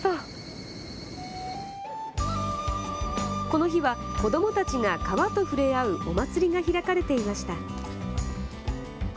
この日は子どもたちが川と触れ合うお祭りが開かれていました。